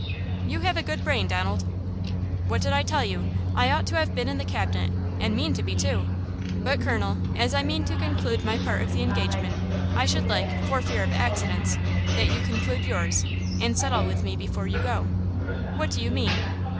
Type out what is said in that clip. "You have a good brain, Donald." "What did I tell you? I ought to have been in the cabinet–and mean to be, too! But, colonel, as I mean to conclude my part of the engagement, I should like, for fear of accidents, that you conclude yours–and settle with me before you go." "What do you mean?"